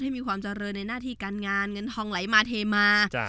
มีความเจริญในหน้าที่การงานเงินทองไหลมาเทมา